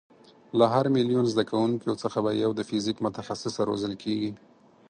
له هر میلیون زده کوونکیو څخه به یو د فیزیک متخصصه روزل کېږي.